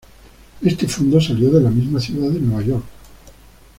Este fondo salió de la misma ciudad de Nueva York.